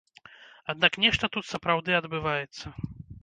Аднак нешта тут сапраўды адбываецца.